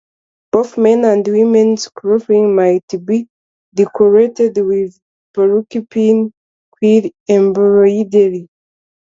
Both men and women's clothing might be decorated with porcupine quill embroidery.